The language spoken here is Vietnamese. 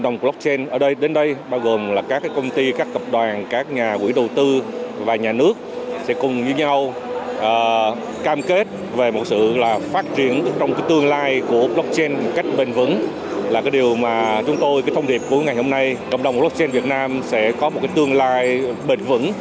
đồng blockchain việt nam sẽ có một tương lai bền vững